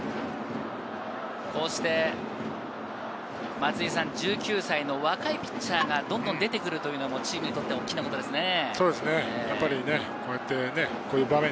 松井さん、１９歳で若いピッチャーがどんどん出てくるというのは、チームにとって大きいことですね。